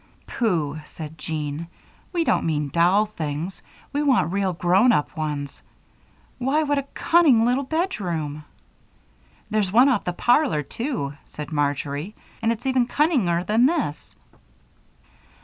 "Pooh!" said Jean. "We don't mean doll things we want real, grown up ones. Why, what a cunning little bedroom!" "There's one off the parlor, too," said Marjory, "and it's even cunninger than this."